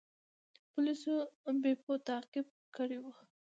پولیسو بیپو تعقیب کړی و.